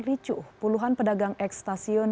ricuh puluhan pedagang ekstasiun